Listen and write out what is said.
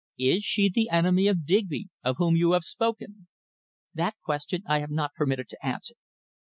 "Is she the enemy of Digby, of whom you have spoken?" "That question I am not permitted to answer."